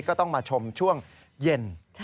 ก็ต้องมาชมช่วงเย็น